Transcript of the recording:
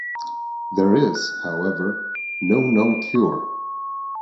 There is, however, no known cure.